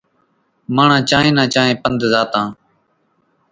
ماڻۿان چانئين نان چانئين پنڌ زاتان۔